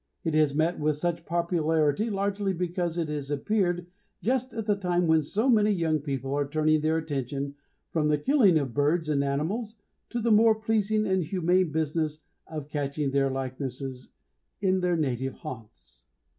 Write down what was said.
It has met with such popularity largely because it has appeared just at the time when so many young people are turning their attention from the killing of birds and animals to the more pleasing and humane business of catching their likenesses in their native haunts.